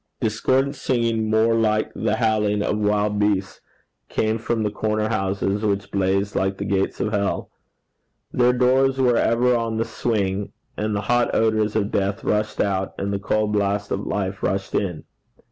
Discordant singing, more like the howling of wild beasts, came from the corner houses, which blazed like the gates of hell. Their doors were ever on the swing, and the hot odours of death rushed out, and the cold blast of life rushed in.